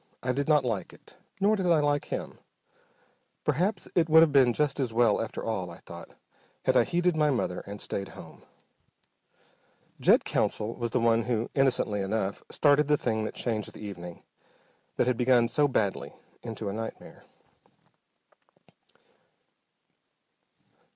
I did not like it, nor did I like him. Perhaps it would have been just as well after all, I thought, had I heeded my mother and stayed home. Jed Counsell was the one who, innocently enough, started the thing that changed the evening, that had begun so badly, into a nightmare.